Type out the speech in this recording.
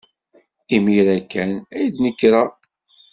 Imir-a kan ay d-nekreɣ.